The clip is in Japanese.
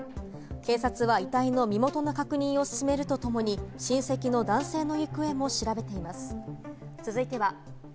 警察は遺体の身元の確認を進めるとともに親戚の男性の行方も調べています。